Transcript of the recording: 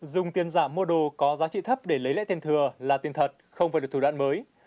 dùng tiền giả mua đồ có giá trị thấp để lấy lễ tiền thừa là tiền thật không vừa được thủ đoạn mới